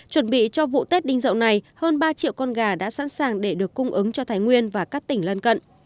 chuẩn bị cho vụ tết đinh dậu này hơn ba triệu con gà đã sẵn sàng để được cung ứng cho thái nguyên và các tỉnh lân cận